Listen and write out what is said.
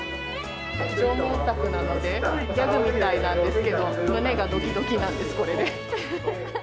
縄文オタクなので、ギャグみたいなんですけど、胸が土器・土器なんです、これで。